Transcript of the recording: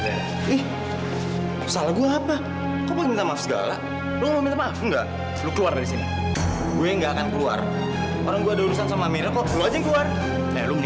enggak sekali lagi gua bilang kenapa ada ribut ribut di sini